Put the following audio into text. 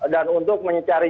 dan untuk mencari